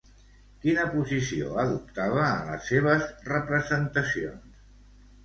Quina posició adoptava en les seves representacions?